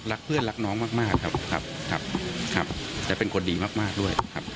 รักเพื่อนรักน้องมากครับครับและเป็นคนดีมากด้วยครับ